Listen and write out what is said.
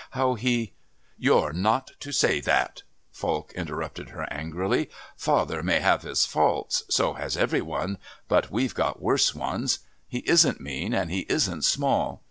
How he " "You're not to say that," Falk interrupted her angrily. "Father may have his faults so has every one but we've got worse ones. He isn't mean and he isn't small.